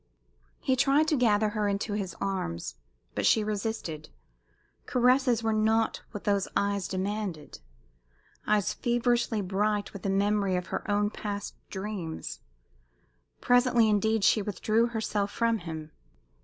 He tried to gather her in his arms, but she resisted, Caresses were not what those eyes demanded eyes feverishly bright with the memory of her own past dreams, Presently, indeed, she withdrew herself from him.